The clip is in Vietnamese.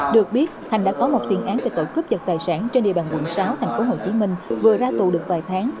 được biết thành đã có một tiền án về tội cướp giật tài sản trên địa bàn quận sáu thành phố hồ chí minh vừa ra tù được vài tháng